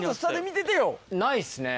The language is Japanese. ないっすね。